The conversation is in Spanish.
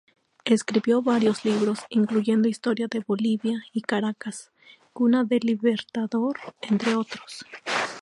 Escribió varios libros, incluyendo "Historia de Bolivia" y "Caracas, cuna del Libertador", entre otros.